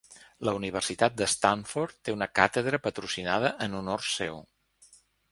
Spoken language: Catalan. La universitat d'Stanford té una càtedra patrocinada en honor seu.